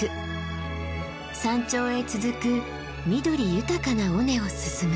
山頂へ続く緑豊かな尾根を進む。